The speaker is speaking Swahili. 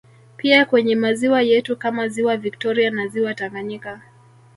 Pia kwenye maziwa yetu kama Ziwa viktoria na ziwa Tanganyika